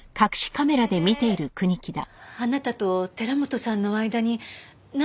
あなたと寺本さんの間に何があったの？